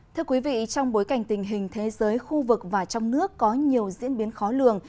thưa quý vị trong bối cảnh tình hình thế giới khu vực và trong nước có nhiều diễn biến khó lường